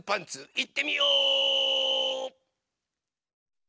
いってみよ！